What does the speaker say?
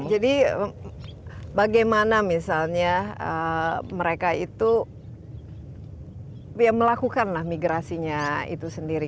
jadi bagaimana misalnya mereka itu melakukanlah migrasinya itu sendiri